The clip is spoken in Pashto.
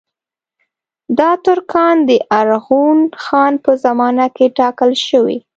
دا ترکان د ارغون خان په زمانه کې ټاکل شوي.